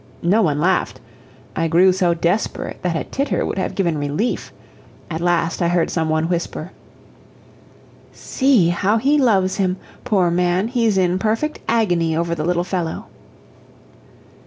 No one laughed I grew so desperate that a titter would have given relief. At last I heard some one whisper: "SEE how he loves him! Poor man! he's in perfect agony over the little fellow."